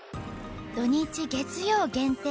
土日月曜限定